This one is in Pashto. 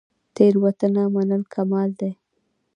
تیروتنه منل کمال دی